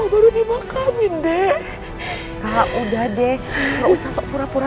aku baru dimakamin deh kakak udah deh gak usah sok pura pura